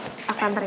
iya om aku nantarin